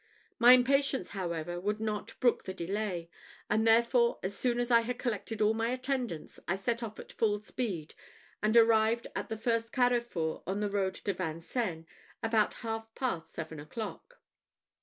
My impatience, however, would not brook the delay; and therefore, as soon as I had collected all my attendants, I set off at full speed, and arrived at the first carrefour on the road to Vincennes, about half past seven o'clock.